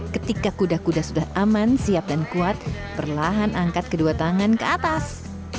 ketika kuda kuda sudah aman siap dan kuat perlahan angkat kedua tangan ke atas